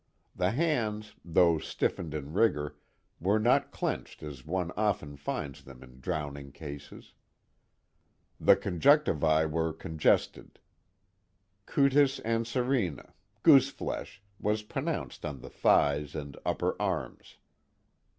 The hands, though stiffened in rigor, were not clenched as one often finds them in drowning cases. The conjunctivae were congested. Cutis anserina gooseflesh was pronounced on the thighs and upper arms.